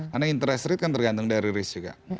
karena interest rate kan tergantung dari risk juga